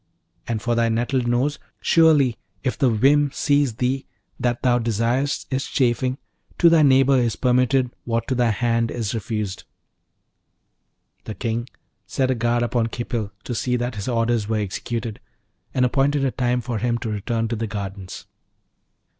And for thy nettled nose, surely if the whim seize thee that thou desirest its chafing, to thy neighbour is permitted what to thy hand is refused.' The King set a guard upon Khipil to see that his orders were executed, and appointed a time for him to return to the gardens.